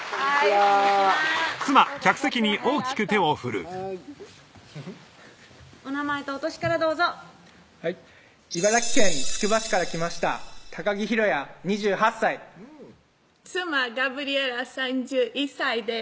ありがとうお名前とお歳からどうぞはい茨城県つくば市から来ました高木宏也２８歳妻・ガブリエラ３１歳です